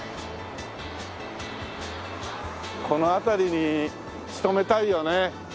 この辺りに勤めたいよね。